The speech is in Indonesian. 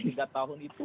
tiga tahun itu